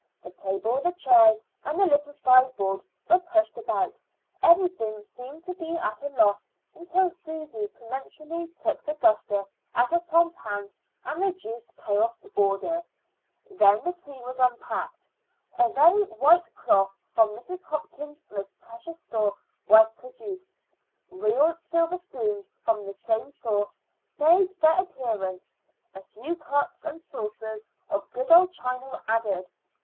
The table, the chairs, and the little sideboard were pushed about; everything seemed to be at a loss until Susy peremptorily took the duster out of Tom's hand and reduced chaos to order. Then the tea was unpacked. A very white cloth from Mrs. Hopkins's most precious store was produced; real silver spoons from the same source made their appearance; a few cups and saucers of good old china were added.